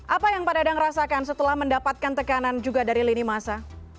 apa yang pak dadang rasakan setelah mendapatkan tekanan juga dari lini masa